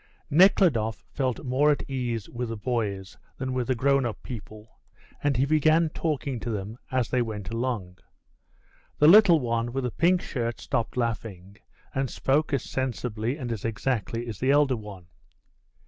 Nekhludoff felt more at ease with the boys than with the grown up people, and he began talking to them as they went along. The little one with the pink shirt stopped laughing, and spoke as sensibly and as exactly as the elder one.